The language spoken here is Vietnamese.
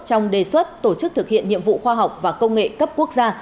trong đề xuất tổ chức thực hiện nhiệm vụ khoa học và công nghệ cấp quốc gia